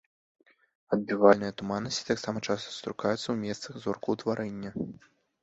Адбівальныя туманнасці таксама часта сустракаюцца ў месцах зоркаўтварэння.